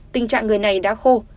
tình trạng người này đã khô